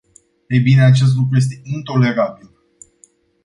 Ei bine, acest lucru este intolerabil.